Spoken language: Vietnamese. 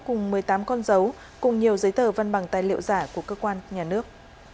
cùng một mươi tám con dấu cùng nhiều giấy tờ văn bằng tài liệu giả của cơ quan nhà nước